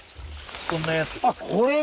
こんなやつ。